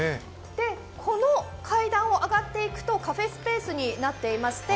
この階段を上がっていくとカフェスペースになっていまして